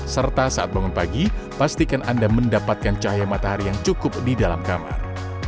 serta saat bangun pagi pastikan anda mendapatkan cahaya matahari yang cukup di dalam kamar